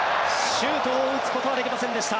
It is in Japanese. シュートを打つことはできませんでした。